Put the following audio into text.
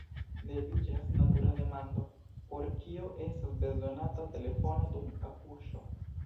Leviĝas natura demando: por kio estas bezonata telefono dum akuŝo?